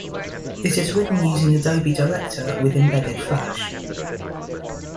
It is written using Adobe Director with embedded Flash.